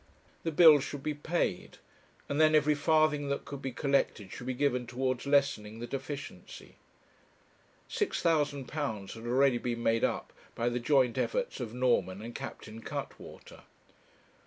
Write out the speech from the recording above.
The bills should be paid, and then every farthing that could be collected should be given towards lessening the deficiency. Six thousand pounds had already been made up by the joint efforts of Norman and Captain Cuttwater.